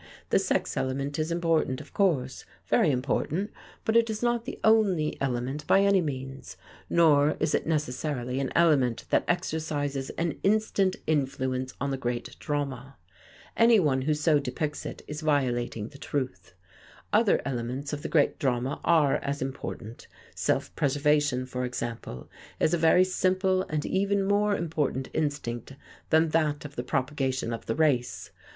The sex element is important, of course very important. But it is not the only element by any means; nor is it necessarily an element that exercises an instant influence on the great drama. Anyone who so depicts it is violating the truth. Other elements of the great drama are as important self preservation, for example, is a very simple and even more important instinct than that of the propagation of the race.